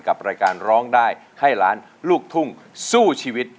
กับรายการร้องได้ให้ล้านลูกทุ่งสู้ชีวิต